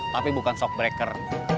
tapi bukan shock breaker